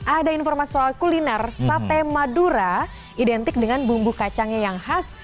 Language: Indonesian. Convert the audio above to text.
ada informasi soal kuliner sate madura identik dengan bumbu kacangnya yang khas